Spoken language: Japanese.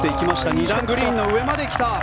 ２段グリーンの上まで来た。